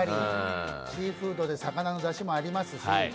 シーフードで魚のだしもありますし。